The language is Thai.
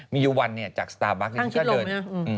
มีอยู่วันจากสตาร์บัคนี้ก็เดิน